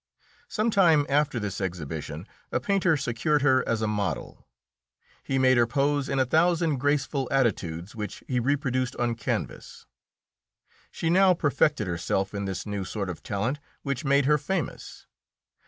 Some time after this exhibition, a painter secured her as a model; he made her pose in a thousand graceful attitudes, which he reproduced on canvas. She now perfected herself in this new sort of talent which made her famous.